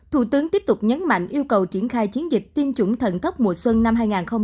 thủ tướng tiếp tục nhấn mạnh yêu cầu triển khai chiến dịch tiêm chủng thận tốc mùa xuân năm hai nghìn hai mươi hai